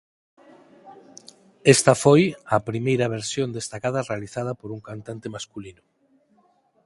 Esta foi a primeira versión destacada realizada por un cantante masculino.